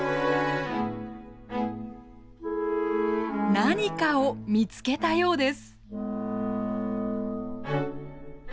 何かを見つけたようです。